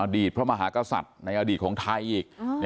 พระมหากษัตริย์ในอดีตของไทยอีก